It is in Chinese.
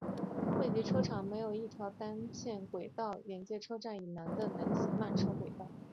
汇集车厂设有一条单线轨道连接车站以南的南行慢车轨道。